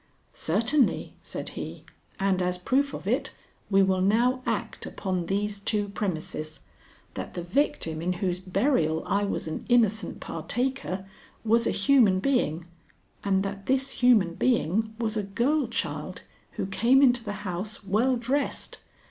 "Certainly," said he, "and as proof of it we will now act upon these two premises that the victim in whose burial I was an innocent partaker was a human being and that this human being was a girl child who came into the house well dressed.